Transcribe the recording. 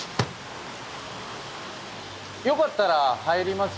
よかったら入ります？